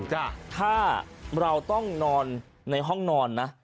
จ้ะถ้าเราต้องนอนในห้องนอนนะ